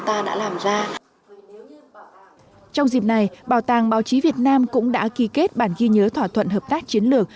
trong dịp này bảo tàng báo chí việt nam cũng đã ký kết bản ghi nhớ thỏa thuận hợp tác chiến lược